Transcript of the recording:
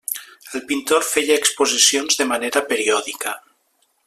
El pintor feia exposicions de manera periòdica.